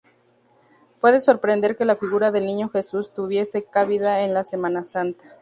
Puede sorprender que la figura del Niño Jesús tuviese cabida en la Semana Santa.